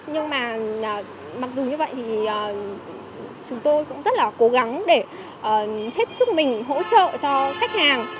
nhưng mà mặc dù như vậy thì chúng tôi cũng rất là cố gắng để hết sức mình hỗ trợ cho khách hàng